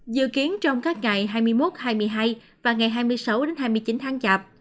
dự kiến trong các ngày hai mươi một hai mươi hai và ngày hai mươi sáu hai mươi chín tháng chạp